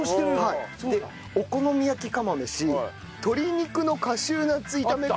お好み焼き釜飯鶏肉のカシューナッツ炒め釜飯。